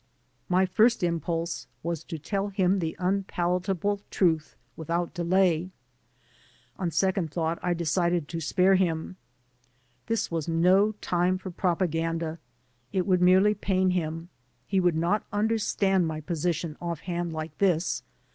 My first impulse was to tell him 164 THE TRAGEDY OP READJUSTMENT the unpalatable truth without delay; on second thought I decided to spare him. This was no time for propa ganda; it would merely pain him; he would not understand my position offhand like this.